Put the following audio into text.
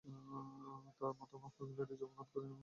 তার মাতামহ ইংল্যান্ডে জন্মগ্রহণ করেন এবং ইংরেজ বংশোদ্ভূত ছিলেন।